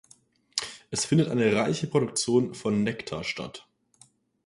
Es findet eine reiche Produktion von Nektar statt.